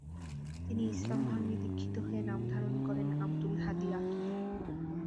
তিনি ইসলাম ধর্মে দীক্ষিত হয়ে নাম ধারণ করেন আব্দুল হাদি আকিলি।